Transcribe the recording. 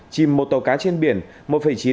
chìm một tàu cá trên biển một chín hectare